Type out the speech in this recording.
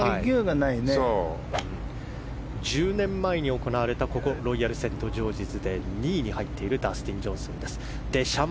１０年前に行われたここロイヤルセントジョージズで２位に入っているダスティン・ジョンソン。